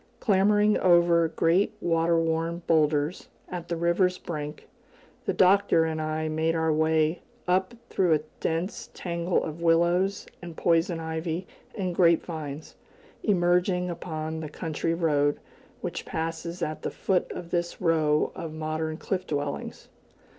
Clambering over great water worn boulders, at the river's brink, the Doctor and I made our way up through a dense tangle of willows and poison ivy and grape vines, emerging upon the country road which passes at the foot of this row of modern cliff dwellings.